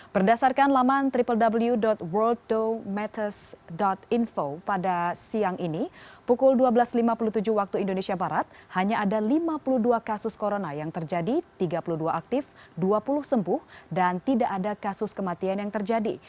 berdasarkan laman www world to mathest info pada siang ini pukul dua belas lima puluh tujuh waktu indonesia barat hanya ada lima puluh dua kasus corona yang terjadi tiga puluh dua aktif dua puluh sembuh dan tidak ada kasus kematian yang terjadi